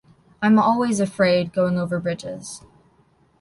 I’m always afraid going over bridges.